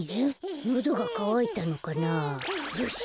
よし！